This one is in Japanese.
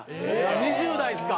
２０代ですか？